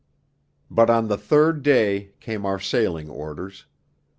But on the third day came our sailing orders.